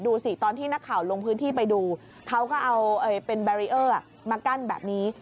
ดูสิตอนที่นักข่าวลงพื้นที่ไปดูเขาก็เอาเป็นแบรีเออร์มากั้นแบบนี้